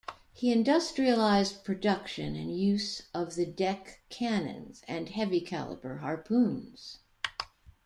He industrialized production and use of the deck cannons and heavy-caliber harpoons.